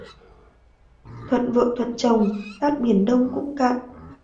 Thuận vợ thuận chồng, tát biển Đông cũng cạn.